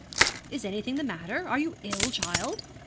'Is anything the matter? Are you ill, child?'